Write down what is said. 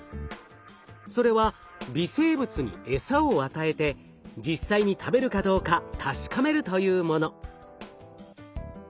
それは微生物にエサを与えて実際に食べるかどうか確かめるというもの。